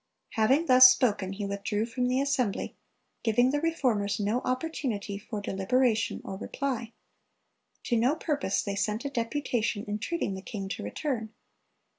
Having thus spoken, he withdrew from the assembly, giving the Reformers no opportunity for deliberation or reply. "To no purpose they sent a deputation entreating the king to return."